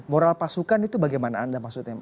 moral pasukan itu bagaimana anda maksudnya